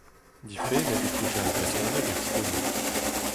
Difennet eo kaozeal brezhoneg er skol.